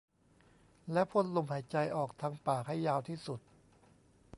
แล้วพ่นลมหายใจออกทางปากให้ยาวที่สุด